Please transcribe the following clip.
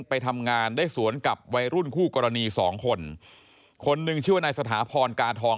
ไปทำงานได้สวนกับวัยรุ่นคู่กรณีสองคนคนหนึ่งชื่อว่านายสถาพรกาทอง